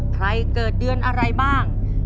เกิดเดือนอะไรบ้าง